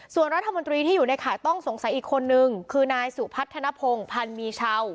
ส่วนรัฐมนตรีที่อยู่ในข่ายต้องสงสัยอีกคนนึงคือนายสุพัฒนภงพันธ์มีชาว